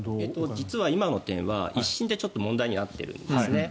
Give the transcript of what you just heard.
実は今の点は１審で問題になっているんです。